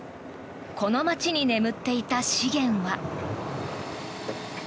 この街に眠っていた資源は。